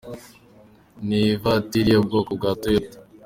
Ni ivatiri yo bwoko bwa Toyota.